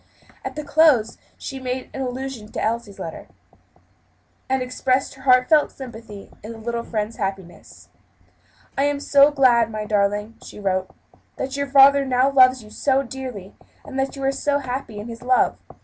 At the close she made some allusion to Elsie's letters, and expressed her heartfelt sympathy in her little friend's happiness. "I am so glad, my darling," she wrote, "that your father now loves you so dearly, and that you are so happy in his love.